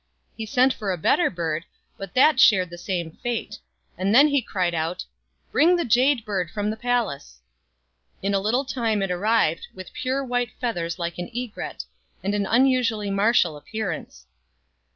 He sent for a better bird, but that shared the same fate ; and then he FROM A CHINESE STUDIO. 73 cried out, "Bring the Jade Bird from the palace !" In a little time it arrived, with pure white feathers like an egret, and an unusually martial appearance.